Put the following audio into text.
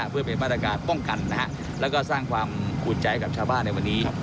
เพื่อเป็นมาตรการป้องกันแล้วก็สร้างความขูดใจให้กับชาวบ้านในวันนี้